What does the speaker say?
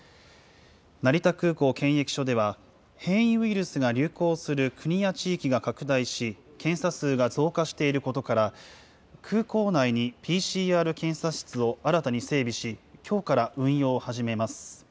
成田空港検疫所では、変異ウイルスが流行する国や地域が拡大し、検査数が増加していることから、空港内にＰＣＲ検査室を新たに整備し、きょうから運用を始めます。